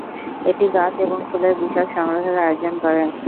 এটি গাছ এবং ফুলের বিশাল সংগ্রহের আয়োজন করে।